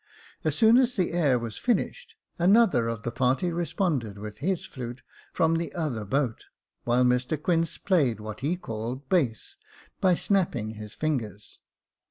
As soon as the air was finished, another of the party responded with his flute, from the other boat — while Mr Quince played what he called base, by snapping his fingers.